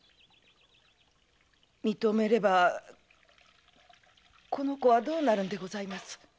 認めればこの子はどうなるのでございます？